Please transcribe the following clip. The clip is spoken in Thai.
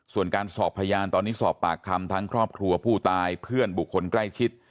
ส่วนการสอบพยานตอนนี้สอบปากคำทั้งครอบครัวผู้ตายเพื่อนบุคคลใกล้ชิด